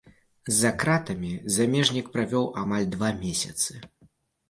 За кратамі замежнік правёў амаль два месяцы.